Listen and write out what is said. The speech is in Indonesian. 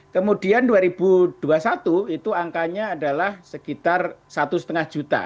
kemudian dua ribu dua puluh satu itu angkanya adalah sekitar satu lima juta